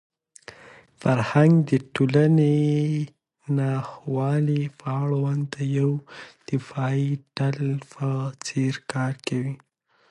فرهنګ د ټولنیزو ناخوالو په وړاندې د یوې دفاعي ډال په څېر کار کوي.